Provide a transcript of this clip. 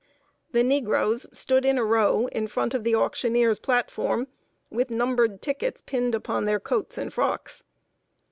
The negroes stood in a row, in front of the auctioneer's platform, with numbered tickets pinned upon their coats and frocks.